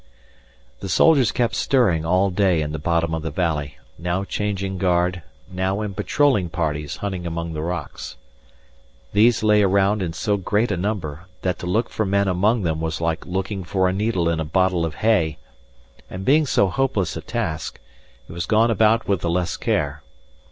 The soldiers kept stirring all day in the bottom of the valley, now changing guard, now in patrolling parties hunting among the rocks. These lay round in so great a number, that to look for men among them was like looking for a needle in a bottle of hay; and being so hopeless a task, it was gone about with the less care.